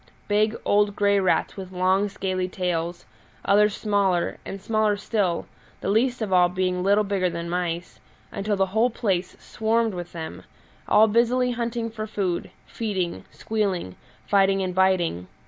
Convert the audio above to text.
Big, old, grey rats with long, scaly tails, others smaller, and smaller still, the least of all being little bigger than mice, until the whole place swarmed with them, all busily hunting for food, feeding, squealing, fighting, and biting.